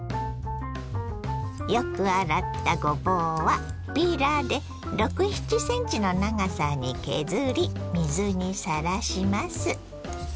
よく洗ったごぼうはピーラーで６７ｃｍの長さに削り水にさらします。